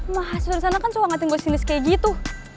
mas udah sana kan suka ngantin gue sinis kayak gitu